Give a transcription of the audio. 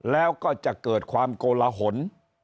แล้วก็จะเกิดความโกลหน